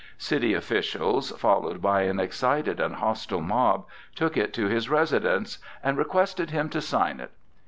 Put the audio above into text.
City officials, followed by an excited and hostile mob, took it to his residence and requested him to sign it.